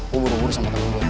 gue buru buru sama temen gue